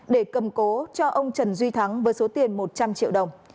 để cầm cố cho ông trần duy thắng với số tiền một trăm linh triệu đồng